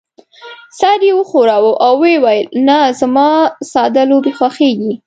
سر يې وښوراوه او وې ویل: نه، زما ساده لوبې خوښېږي.